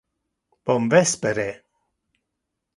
Bon vespere